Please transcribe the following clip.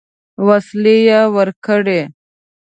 وسلې ورکړې.